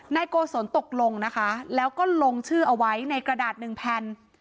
โกศลตกลงนะคะแล้วก็ลงชื่อเอาไว้ในกระดาษหนึ่งแผ่น